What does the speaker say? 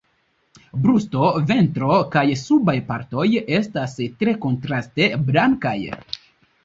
Brusto, ventro kaj subaj partoj estas tre kontraste blankaj.